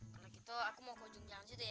kalau gitu aku mau ke ujung jalan situ ya